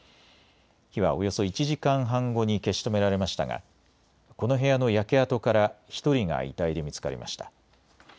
火は、およそ１時間半後に消し止められましたがこの部屋の焼け跡から１人が遺体で見つかりました。